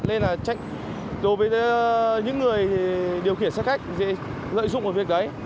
nên là tranh đối với những người điều khiển xe khách dễ lợi dụng một việc đấy